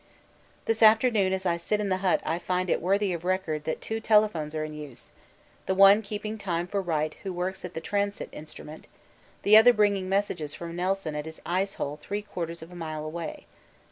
This afternoon as I sit in the hut I find it worthy of record that two telephones are in use: the one keeping time for Wright who works at the transit instrument, and the other bringing messages from Nelson at his ice hole three quarters of a mile away.